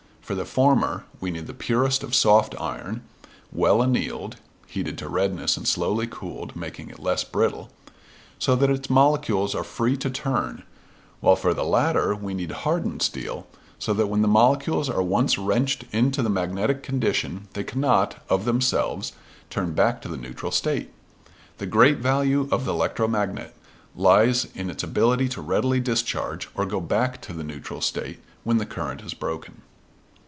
For the former we need the purest of soft iron, well annealed (heated to redness and slowly cooled, making it less brittle), so that its molecules are free to turn; while for the latter we need hardened steel, so that when the molecules are once wrenched into the magnetic condition they cannot, of themselves, turn back to the neutral state. The great value of the electromagnet lies in its ability to readily discharge, or go back to the neutral state, when the current is broken.